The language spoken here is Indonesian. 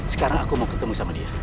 sekarang aku mau ketemu sama dia